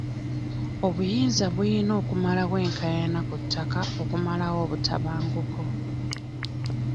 Obuyinza buyina okumalawo enkaayana ku ttaka okumalawo obutabanguko.